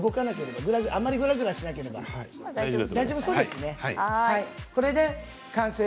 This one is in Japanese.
あまりぐらぐら動かなければ、大丈夫そうですね。